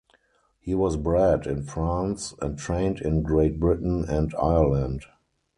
He was bred in France and trained in Great Britain and Ireland.